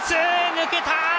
抜けた。